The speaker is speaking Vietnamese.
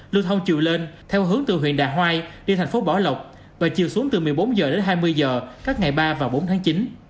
lưu thông chiều lên theo hướng từ huyện đà hoai đi thành phố bảo lộc và chiều xuống từ một mươi bốn h đến hai mươi h các ngày ba và bốn tháng chín